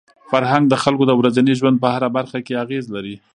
فرهنګ د خلکو د ورځني ژوند په هره برخه کي اغېز لري.